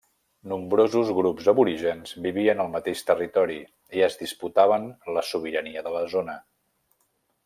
Nombrosos grups aborígens vivien al mateix territori i es disputaven la sobirania de la zona.